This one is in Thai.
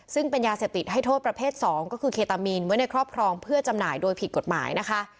ซึ่งเป็นยาเสพติดให้โทษประเภท๒ก็คือเคตามีนไว้ในครอบครองเพื่อจำหน่ายโดยผิดกฎหมายนะคะ